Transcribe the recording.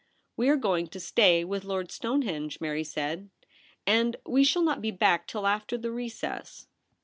'We are going to stay with Lord Stone henge,' Mary said, ' and we shall not be back till after the recess.'